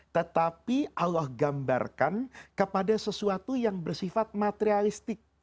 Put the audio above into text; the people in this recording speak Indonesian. tetapi allah gambarkan kepada sesuatu yang bersifat materialistik